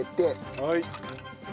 はい。